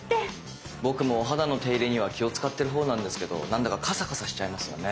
僕もお肌の手入れには気を使ってるほうなんですけど何だかカサカサしちゃいますよね。